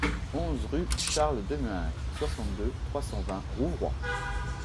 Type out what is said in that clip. onze rue Charles Demuynck, soixante-deux, trois cent vingt, Rouvroy